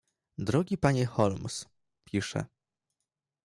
"„Drogi panie Holmes“, pisze."